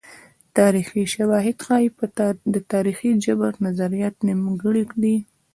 تاریخي شواهد ښيي چې د تاریخي جبر نظریات نیمګړي دي.